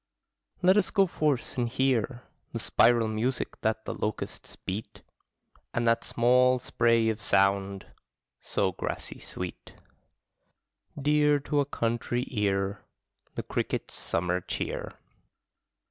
Let us go forth and hear The spiral music that the locusts beat, And that small spray of sound, so grassy sweet, Dear to a country ear, The cricket's summer cheer.